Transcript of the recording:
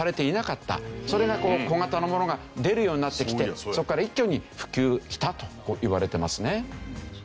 それがこの小型のものが出るようになってきてそこから一挙に普及したといわれてますね。